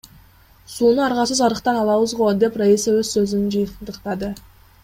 Сууну аргасыз арыктан алабыз го, — деп Раиса өз сөзүн жыйынтыктады.